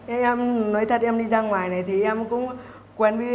em nói thật em đi ra ngoài này thì em cũng quen với một hai anh